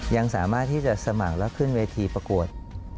ยังสามารถที่จะสมัครแล้วขึ้นเวทีประกวด